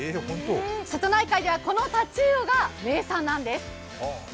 瀬戸内海ではこのタチウオが名産なんです。